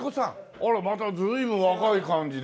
あらまた随分若い感じで。